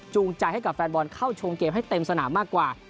ใจให้กับแฟนบอลเข้าชมเกมให้เต็มสนามมากกว่า